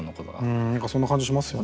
うん何かそんな感じしますよね。